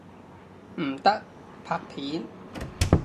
唔得，拍片！